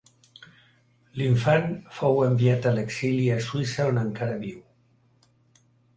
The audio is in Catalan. L'infant fou enviat a l'exili a Suïssa on encara viu.